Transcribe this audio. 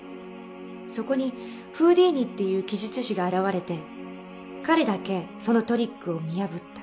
そこにフーディーニっていう奇術師が現れて彼だけそのトリックを見破った。